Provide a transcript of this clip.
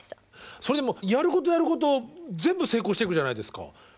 それでもやることやること全部成功していくじゃないですか。